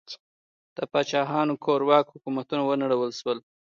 د پاچاهانو کورواک حکومتونه ونړول شول.